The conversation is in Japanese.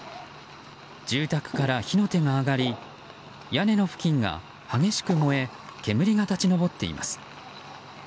住宅から火の手が上がり屋根の付近が激しく燃え煙が立ち上っています。